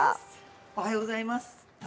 おはようございます。